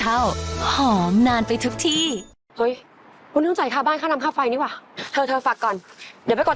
เอ้าไปไหนอ่ะมันเบิกผ่านไลน์ได้